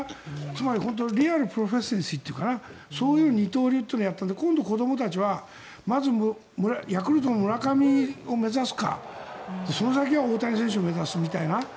つまりリアルプロフェッセンシーというかそういう二刀流は今度、子どもたちはヤクルトの村上を目指すかその先は大谷選手を目指すみたいな。